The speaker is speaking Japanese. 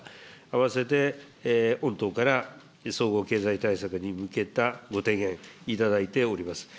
あわせて御党から総合経済対策に向けたご提言いただいております。